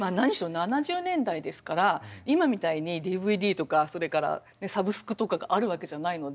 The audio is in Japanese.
７０年代ですから今みたいにＤＶＤとかそれからサブスクとかがあるわけじゃないので。